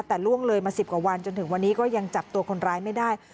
แต่ล่วงเลยมา๑๐กว่าวันจนถึงวันนี้ก็ยังจับตัวคนร้ายไม่ได้